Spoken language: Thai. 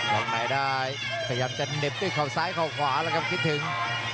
ล้อมไม้ได้พยายามจะเหน็บด้นคอบซ้ายคอบขวาแล้วก็พวกครึ่ง